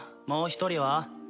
もう一人は？